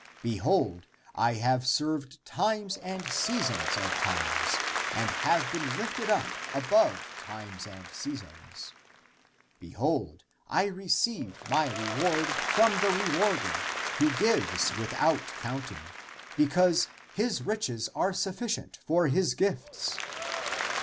Behold, I have served times and seasons of time and have been lifted up above times and seasons. Behold, I receive <my re ward > from the rewarder, who gives without counting, because his riches are sufficient for his gifts.